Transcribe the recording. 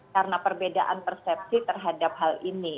karena perbedaan persepsi terhadap hal ini